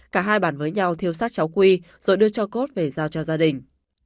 cả hai bàn với nhau thiêu sát cháu quy rồi đưa cho cốt về giao cho gia đình